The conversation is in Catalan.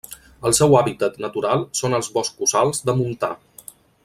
El seu hàbitat natural són els boscos alts de montà.